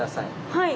はい。